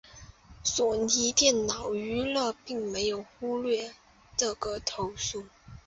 索尼电脑娱乐并没有忽略这个投诉。